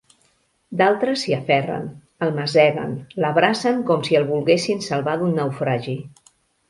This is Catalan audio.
D'altres s'hi aferren, el maseguen, l'abracen com si el volguessin salvar d'un naufragi.